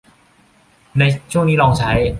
ช่วงนี้ลองใช้